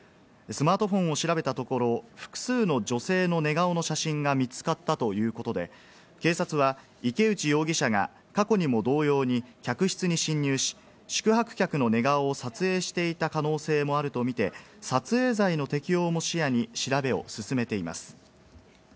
スマートフォンを調べたところ、複数の女性の寝顔の写真が見つかったということで、警察は池内容疑者が過去にも同様に客室に侵入し、宿泊客の寝顔を撮影していた可能性もあるとみて、撮影罪の適用も視野に調べを進めています。